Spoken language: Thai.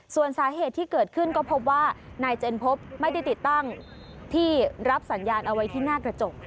ส่วนสาเหตุที่เกิดขึ้นก็พบว่านายเจนพบไม่ได้ติดตั้งที่รับสัญญาณเอาไว้ที่หน้ากระจก